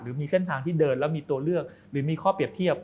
หรือมีเส้นทางที่เดินแล้วมีตัวเลือกหรือมีข้อเปรียบเทียบ